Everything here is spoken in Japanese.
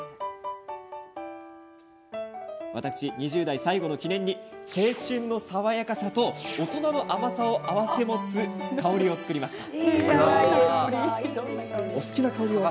私２０代最後の記念に青春の爽やかさと大人の甘さを合わせ持つ香りを作りました。